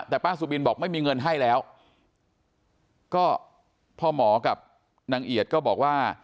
แต่ป้าสุบินบอกไม่มีเงินให้แล้วก็พ่อหมอกับนางเอียดก็บอกว่า